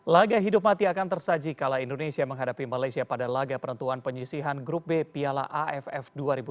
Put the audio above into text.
laga hidup mati akan tersaji kala indonesia menghadapi malaysia pada laga penentuan penyisihan grup b piala aff dua ribu delapan belas